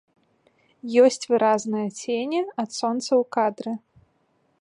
Ёсць выразныя цені ад сонца ў кадры.